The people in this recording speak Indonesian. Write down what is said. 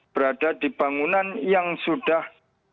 berada di bangunan yang sudah